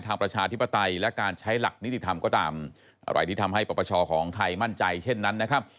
ประชาธิปไตยและการใช้หลักนิติธรรมก็ตามอะไรที่ทำให้ปปชของไทยมั่นใจเช่นนั้นนะครับ